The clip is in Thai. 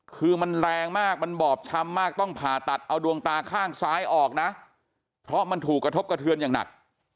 คือมันแรงมากมันบอบช้ำมากต้องผ่าตัดเอาดวงตาข้างซ้ายออกนะเพราะมันถูกกระทบกระเทือนอย่างหนัก